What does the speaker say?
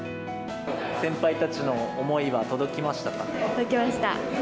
先輩たちの思いは届きました届きました。